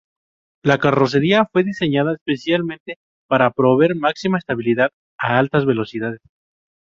La carrocería fue diseñada especialmente para proveer máxima estabilidad a altas velocidades.